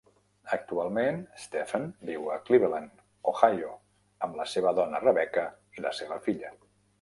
Actualment, Stephen viu a Cleveland, Ohio amb la seva dona Rebecca i la seva filla.